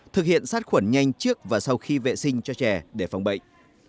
thực hiện sát khuẩn nhanh trước và sau khi vệ sinh cho trẻ để phòng bệnh